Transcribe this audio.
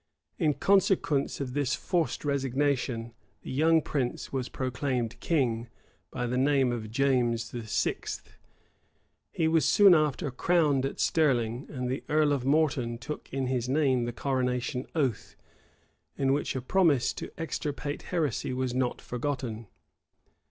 [] In consequence of this forced resignation, the young prince was proclaimed king, by the name of James VI. He was soon after crowned at Stirling, and the earl of Morton took in his name the coronation oath; in which a promise to extirpate heresy was not forgotten.